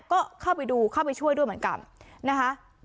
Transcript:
ก็เข้าไปดูเข้าไปช่วยด้วยเหมือนกันนะคะ